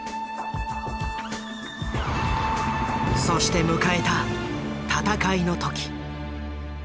そして迎えた戦いの時。